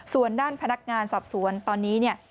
ส่วนด้านพนักงานสอบสวนตอนนี้เนี่ย